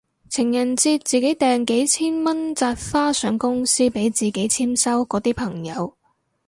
情人節自己訂幾千蚊紮花上公司俾自己簽收嗰啲朋友